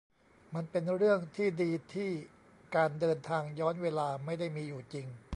มันเป็นเรื่องที่ดีที่การเดินทางย้อนเวลาไม่ได้มีอยู่จริง